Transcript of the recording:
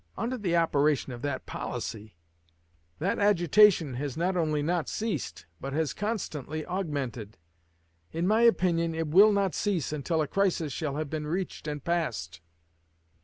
Under the operation of that policy, that agitation has not only not ceased, but has constantly augmented. In my opinion it will not cease until a crisis shall have been reached and passed.